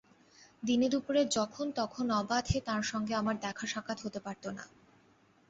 দিনে-দুপুরে যখন-তখন অবাধে তাঁর সঙ্গে আমার দেখা-সাক্ষাৎ হতে পারত না।